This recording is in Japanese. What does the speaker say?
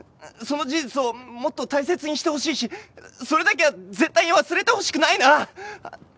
その事実をもっと大切にしてほしいしそれだけは絶対に忘れてほしくないなあ。